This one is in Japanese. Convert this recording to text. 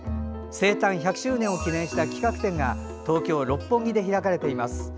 生誕１００周年を記念した企画展が東京・六本木で開かれています。